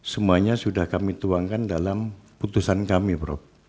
semuanya sudah kami tuangkan dalam putusan kami prof